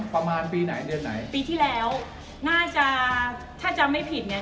ประมาณปีไหนเดือนไหนปีทีแล้วถ้าจะไม่ผิดเนี้ย